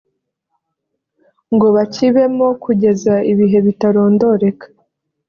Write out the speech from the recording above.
ngo bakibemo kugeza ibihe bitarondoreka